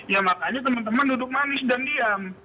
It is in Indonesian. ya makanya teman teman duduk manis dan diam